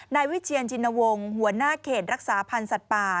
นายวิเชียนชินวงศ์หัวหน้าเขตรักษาพันธ์สัตว์ป่า